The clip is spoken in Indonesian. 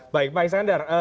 baik pak iskandar